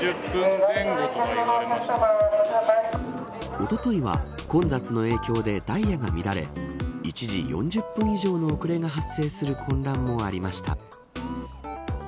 おとといは混雑の影響でダイヤが乱れ一時、４０分以上の遅れが発生する混乱もありました。